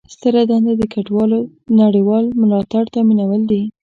ستره دنده د کډوالو نړیوال ملاتړ تامینول دي.